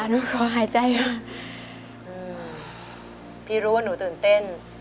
หนูขอหายใจค่ะอืมพี่รู้ว่าหนูตื่นเต้น